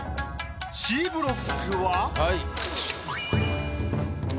Ｃブロックは。